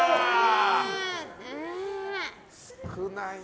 少ないかな。